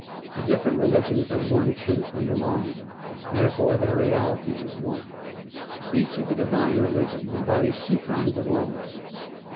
The different religions have one truth underlying them; therefore their reality is one. Each of the divine religions embodies two kinds of ordinances.